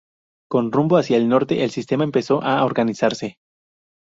Con rumbo hacia el norte, el sistema empezó a organizarse.